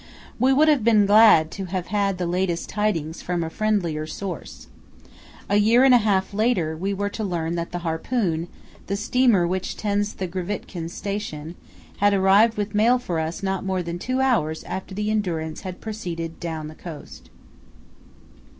We would have been glad to have had the latest tidings from a friendlier source. A year and a half later we were to learn that the Harpoon, the steamer which tends the Grytviken station, had arrived with mail for us not more than two hours after the Endurance had proceeded down the coast.